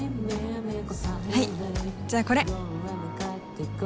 はいじゃあこれ。